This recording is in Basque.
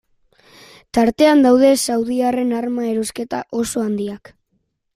Tartean daude saudiarren arma erosketa oso handiak.